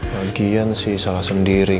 bagian sih salah sendiri